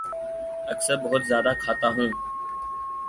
اکثر بہت زیادہ کھاتا ہوں